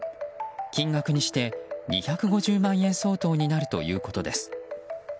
金額にして２５０万円相当になるということです。